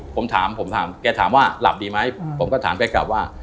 ผมถามผมถามแกถามว่าหลับดีไหมผมก็ถามแกกลับว่า